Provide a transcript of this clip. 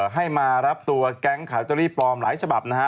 ให้มารับตัวแก๊งขายลอตเตอรี่ปลอมหลายฉบับนะฮะ